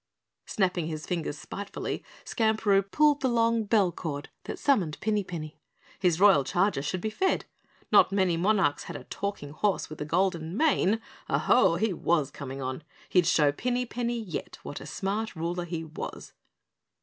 Snapping his fingers spitefully, Skamperoo pulled the long bell cord that summoned Pinny Penny. His Royal Charger should be fed. Not many monarchs had a talking horse with a golden mane. Aho, but he was coming on! He'd show Pinny Penny yet what a smart ruler he was!